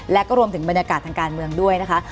และก็รวมถึงบรรยากาศทางการเมืองด้วยนะคะ